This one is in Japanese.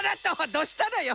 どうしたのよ？